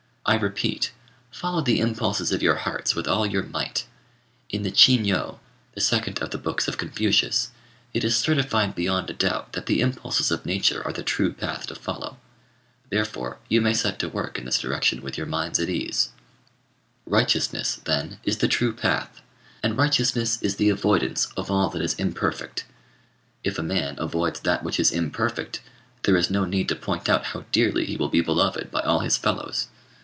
I repeat, follow the impulses of your hearts with all your might. In the Chin yo, the second of the books of Confucius, it is certified beyond a doubt that the impulses of nature are the true path to follow; therefore you may set to work in this direction with your minds at ease. [Footnote 88: "The moon looks on many brooks; The brooks see but one moon." T. MOORE.] Righteousness, then, is the true path, and righteousness is the avoidance of all that is imperfect. If a man avoids that which is imperfect, there is no need to point out how dearly he will be beloved by all his fellows.